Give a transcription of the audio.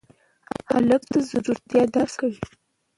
هلک د زړورتیا درس ورکوي.